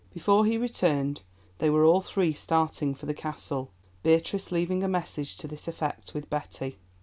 Before he returned they were all three starting for the Castle, Beatrice leaving a message to this effect with Betty.